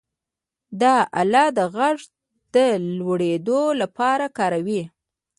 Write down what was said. دا آله د غږ د لوړېدو لپاره کاروي.